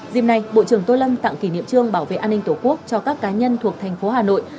dêm này bộ trưởng tô lâm tặng kỷ niệm trương bảo vệ an ninh tổ quốc cho các cá nhân thuộc thành phố hà nội